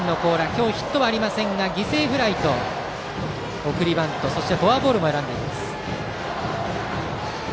今日ヒットはありませんが犠牲フライと送りバント、フォアボールも選んでいます。